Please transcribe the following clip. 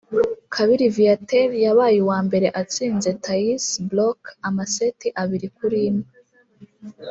Kabiri Viateur yabaye uwa mbere atsinze Thais Brouck amaseti abiri kuri imwe